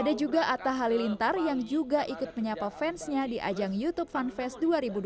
ada juga atta halilintar yang juga ikut menyapa fansnya di ajang youtube fanfest dua ribu dua puluh